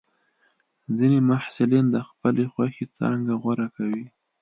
ځینې محصلین د خپلې خوښې څانګه غوره کوي.